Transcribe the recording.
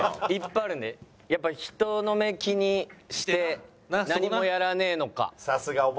やっぱ「人の目気にして何もやらねーのか」。